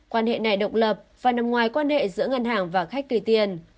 quan hệ này độc lập và nằm ngoài quan hệ giữa ngân hàng và khách gửi tiền